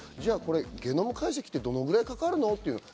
ゲノム解析ってどれぐらいかかる